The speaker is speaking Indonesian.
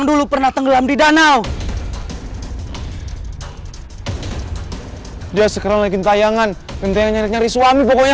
dia sekarang lagi tayangan ntar nyari suami pokoknya